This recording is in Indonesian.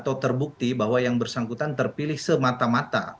atau terbukti bahwa yang bersangkutan terpilih semata mata